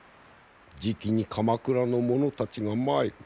じきに鎌倉の者たちが参る。